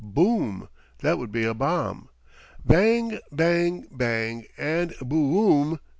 Boom! That would be a bomb. Bang, bang, bang, and Boo oom!